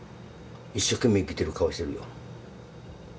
一生懸命生きてる顔してるよ。